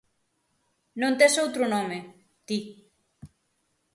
Non tes outro nome: ti.